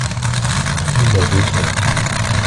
Nous la voterons.